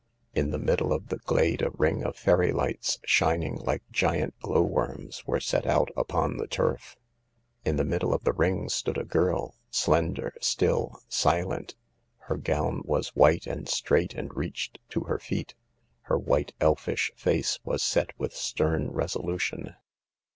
In the middle of the glade a ring of fairy lights shining like giant glow worms were set out upon the turf. In the middle of the ring stood a girl, slender, still, silent. Her gown was white and straight and reached to her feet ; her white, elfish face was set with stern resolution.